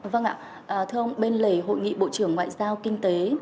vâng ạ thưa ông bên lề hội nghị bộ trưởng ngoại giao kinh tế